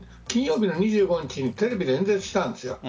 金曜日の２５日にテレビで演説したんです。